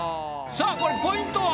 さあこれポイントは？